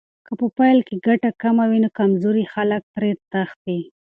که په پیل کې ګټه کمه وي، نو کمزوري خلک ترې تښتي.